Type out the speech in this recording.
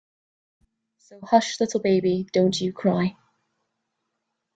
So hush little baby, don't you cry.